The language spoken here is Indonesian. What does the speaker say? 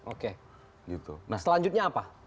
oke nah selanjutnya apa